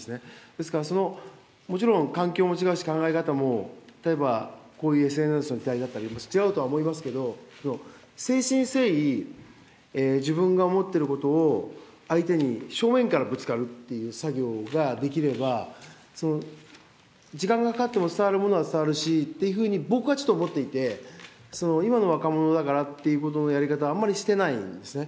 ですから、その、もちろん環境も違うし、考え方も例えば、こういうＳＮＳの時代とかだったり、必要だとは思いますけど、誠心誠意、自分が思ってることを相手に正面からぶつかるっていう作業ができれば、時間がかかっても伝わるものは伝わるしっていうふうに、僕はちょっと思っていて、今の若者だからっていうやり方はあんまりしてないんですね。